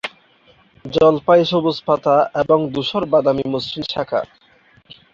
জলপাই-সবুজ পাতা এবং ধূসর বাদামী মসৃণ শাখা।